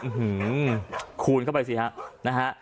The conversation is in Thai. อึ้หือคูณเข้าไปซัลดีนะฮะ